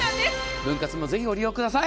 分割もぜひご利用ください。